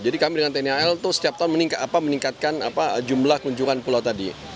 jadi kami dengan tni al itu setiap tahun meningkatkan jumlah kunjungan pulau tadi